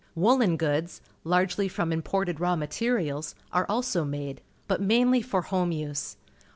Woollen goods, largely from im ported raw materials, are also made, but mainly for home use.